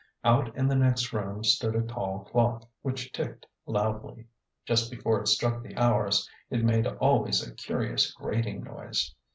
Out in the next room stood a tall clock, which ticked loudly ; just before it struck the hours it made always a curious grating noise.